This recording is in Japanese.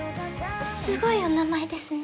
すごいお名前ですね。